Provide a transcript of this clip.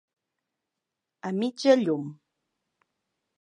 A mitja llum.